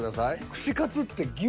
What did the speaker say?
串カツって牛？